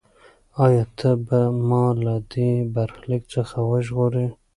ایا ته به ما له دې برخلیک څخه وژغورې؟